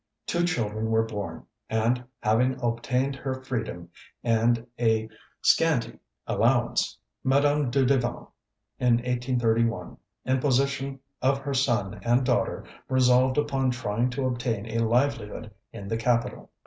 Two children were born; and having obtained her freedom and a scanty allowance, Madame Dudevant in 1831, in possession of her son and daughter, resolved upon trying to obtain a livelihood in the capital.